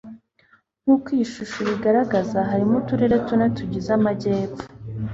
nk uko iyi shusho ibigaragaza harimo uturere tune tugize amajyepfo